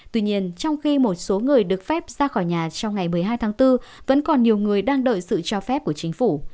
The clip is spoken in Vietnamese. tuy nhiên trong khi một số người được phép ra khỏi nhà trong ngày một mươi hai tháng bốn vẫn còn nhiều người đang đợi sự cho phép của chính phủ